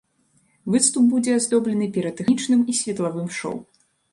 Выступ будзе аздоблены піратэхнічным і светлавым шоў.